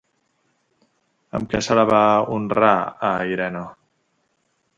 Amb què se la va honrar a Irene?